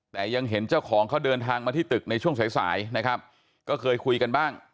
แต่ยังเห็นเจ้าของเขาเดินทางมาที่ตึกในช่วงสายสายนะครับก็เคยคุยกันบ้าง